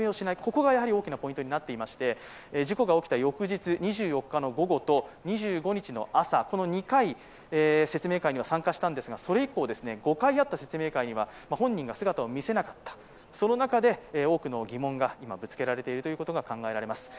ここが大きなポイントになっていまして、事故が起きた翌日２４日の午後、２５日の朝の２回、説明会には参加したんですが、それ以降、５回あった説明会には本人が姿を見せなかったその中で多くの疑問が今ぶつけられているということが考えられます。